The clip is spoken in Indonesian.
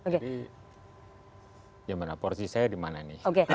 jadi yang mana porsi saya di mana nih